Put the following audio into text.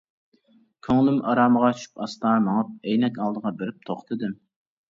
كۆڭلۈم ئارامىغا چۈشۈپ ئاستا مېڭىپ، ئەينەك ئالدىغا بېرىپ توختىدىم.